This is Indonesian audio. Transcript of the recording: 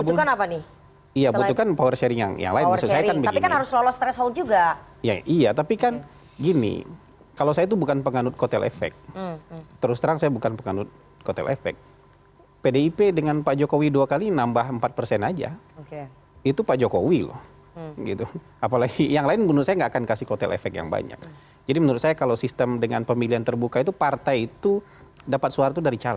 burstairing mengilang satu perolehi fact terus terang saya bukan pengaceut co dua